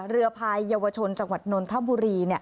เรือพายเยาวชนจังหวัดนนทบุรี